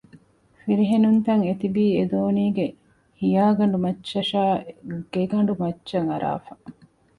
ފިރިހެނުންތައް އެތިބީ އެދޯނީގެ ހިޔާގަނޑު މައްޗަށާއި ގެގަނޑުމައްޗަށް އަރާފަ